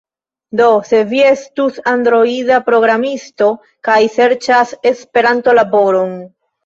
Do, se vi estus Androida programisto kaj serĉas Esperanto-laboron